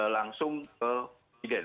langsung ke presiden